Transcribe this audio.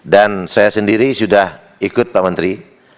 dan saya sendiri sudah ikut pak menteri